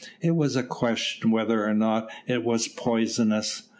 It was a question whether or not it was poisonous.